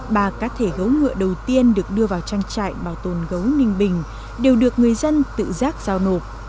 ba cá thể gấu ngựa đầu tiên được đưa vào trang trại bảo tồn gấu ninh bình đều được người dân tự giác giao nộp